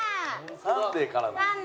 サンデーからなん？